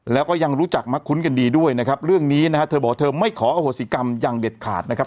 เราก็ยังรู้จักมาคุ้นกันดีด้วยนะครับเรื่องนี้นะเธอบอกเธอไม่ขอโฆษณ์ยังเด็ดขาดนะครับ